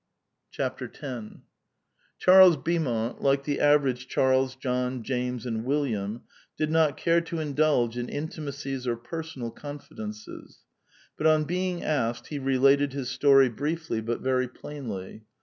X. Charles Beaumont, like the average Charles, John, James, and William, did not care to indulge in intimacies or personal confidences ; but on being asked, he related his story briefly, but very plainly.